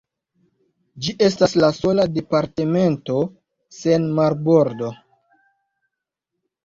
Ĝi estas la sola departemento sen marbordo.